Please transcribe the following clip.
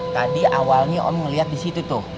tadi awalnya om ngeliat disitu tuh